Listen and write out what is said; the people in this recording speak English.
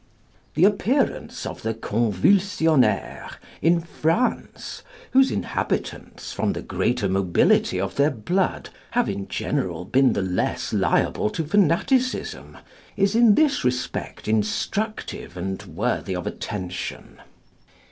5. The appearance of the Convulsionnaires in France, whose inhabitants, from the greater mobility of their blood, have in general been the less liable to fanaticism, is in this respect instructive and worthy of attention.